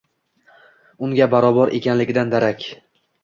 Unga barobar ekanligidan darak.